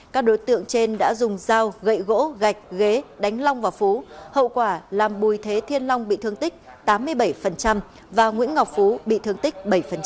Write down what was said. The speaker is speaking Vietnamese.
các đối tượng trên đã dùng dao gậy gỗ gạch ghế đánh long và phú hậu quả làm bùi thế thiên long bị thương tích tám mươi bảy và nguyễn ngọc phú bị thương tích bảy